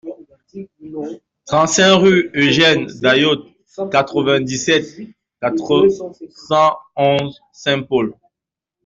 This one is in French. trente-cinq rue Eugêne Dayot, quatre-vingt-dix-sept, quatre cent onze, Saint-Paul